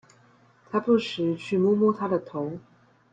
他不時去摸摸她的頭